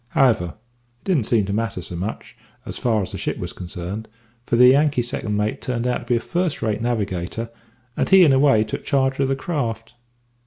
However, it didn't seem to matter so much, so far as the ship was consarned, for the Yankee second mate turned out to be a first rate navigator, and he in a way took charge of the craft.